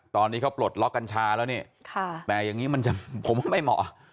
ตอนนี้เขาปลดล็อกกัญชาแล้วนี่แต่อย่างนี้มันจะผมว่าไม่เหมาะ